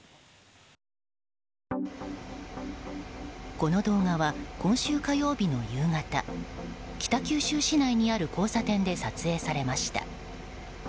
この動画は今週火曜日の夕方北九州市内にある交差点で撮影されました。